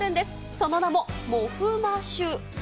その名もモフマシュ。